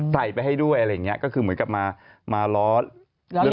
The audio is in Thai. ใส่ไปให้ด้วยอะไรอย่างเงี้ยก็คือเหมือนกับมามาล้อเรื่องของคนอาหาร